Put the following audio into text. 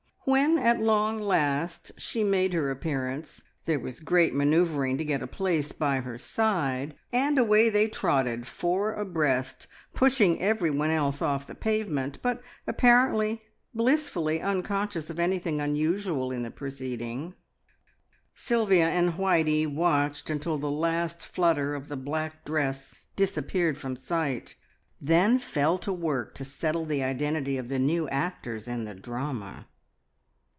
When at long last she made her appearance, there was great manoeuvring to get a place by her side, and away they trotted, four abreast, pushing everyone else off the pavement, but apparently blissfully unconscious of anything unusual in the proceeding. Sylvia and Whitey watched until the last flutter of the black dress disappeared from sight, then fell to work to settle the identity of the new actors in the drama.